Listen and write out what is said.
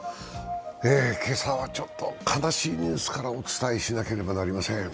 今朝はちょっと悲しいニュースからお伝えしなければなりません。